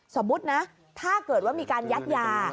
สมมุตินะถ้าเกิดว่ามีการยัดยา